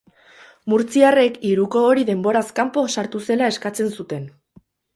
Murtziarrek hiruko hori denboraz kanpo sartu zela eskatzen zuten.